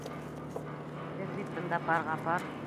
Беҙ бит бында парға-пар!